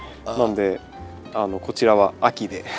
なのでこちらは秋で。